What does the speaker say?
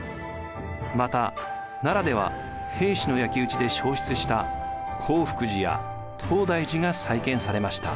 また奈良では平氏の焼き打ちで焼失した興福寺や東大寺が再建されました。